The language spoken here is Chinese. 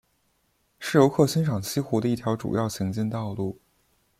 是游客欣赏西湖的一条主要行进道路。